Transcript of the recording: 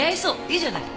いいじゃない。